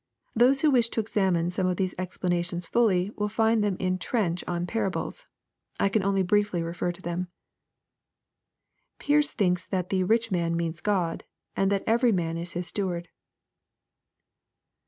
Those who wish to examine some of these explanations fully, will find them in Trench on Parables. I can only briefly refer to them. Pearce thinks that the " rich man" means God, and that every man is His steward.